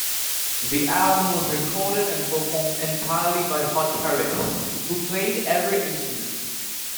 The album was recorded and performed entirely by Hutch Harris, who played every instrument.